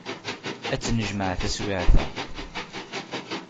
Ad t-nejmeɛ taswiɛt-a.